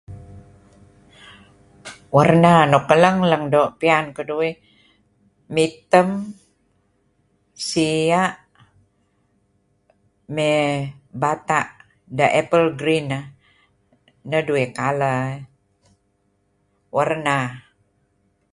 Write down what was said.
Warna nuk eleng-eleng doo' pian keduih, mitem, sia' mey warna.